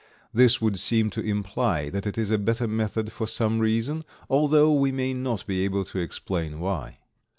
This would seem to imply that it is a better method for some reason, although we may not be able to explain why.